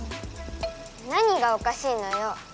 何がおかしいのよ。